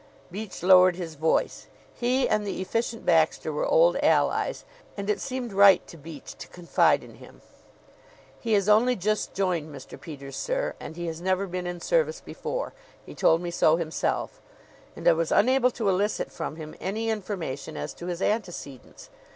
Beach lowered his voice. He and the Efficient Baxter were old allies, and it seemed right to Beach to confide in him. "He has only just joined Mr. Peters, sir; and he has never been in service before. He told me so himself, and I was unable to elicit from him any information as to his antecedents.